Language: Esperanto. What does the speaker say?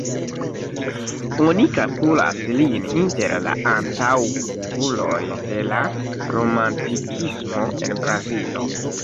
Oni kalkulas lin inter la antaŭuloj de la Romantikismo en Brazilo.